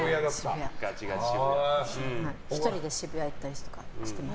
１人で渋谷行ったりとかしてます。